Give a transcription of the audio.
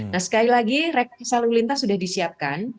nah sekali lagi rekayasa lalu lintas sudah disiapkan